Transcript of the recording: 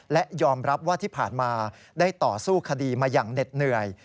และยอมรับว่าที่ผ่านมาได้ต่อสู้คดีมาอย่างเหน็ดเหนื่อย